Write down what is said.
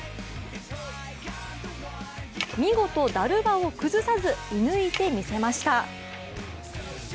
見事、だるまを崩さず射ぬいてみせました。